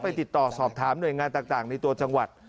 ติดต่อสอบถามหน่วยงานต่างในตัวจังหวัด